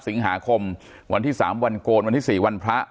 สิงหาคมวันที่๓วันโกนวันที่๔วันพระ